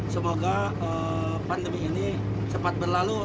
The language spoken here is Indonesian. semoga pandemi ini cepat berlalu